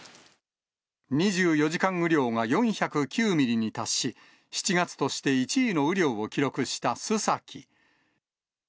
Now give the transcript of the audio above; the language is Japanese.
２４時間雨量が４０９ミリに達し、７月として１位の雨量を記録した須崎。